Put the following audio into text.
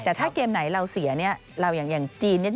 แต่ถ้าเกมไหนเราเสียเนี่ยเราอย่างจีนเนี่ย